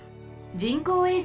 人工衛星？